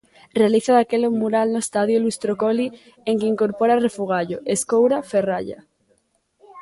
Realiza daquela un mural no estadio Luis Tróccoli en que incorpora refugallo, escoura, ferralla.